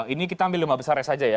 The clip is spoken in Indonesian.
ini kita ambil lima besarnya saja ya